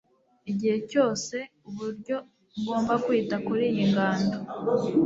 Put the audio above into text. igihe cyose uburyo ngomba kwita kuri iyi ngando